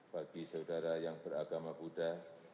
bagi saudara yang beragama buddha